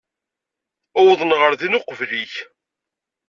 Uwḍen ɣer din uqbel-ik.